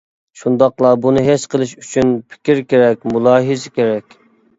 شۇنداقلا بۇنى ھېس قىلىش ئۈچۈن پىكىر كېرەك، مۇلاھىزە كېرەك.